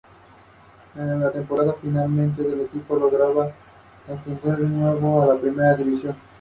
Anderson asistió al Instituto Junction City en Junction City, Arkansas.